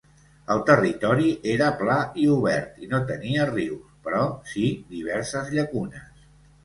El territori era pla i obert i no tenia rius, però sí diverses llacunes.